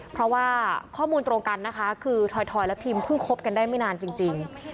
เพราะว่าข้อมูลตรงกันนะคะคือถอยและพิมเพิ่งคบกันได้ไม่นานจริง